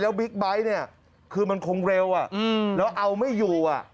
บิ๊กไบท์เนี่ยคือมันคงเร็วแล้วเอาไม่อยู่